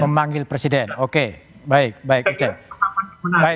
memanggil presiden oke baik baik ustaz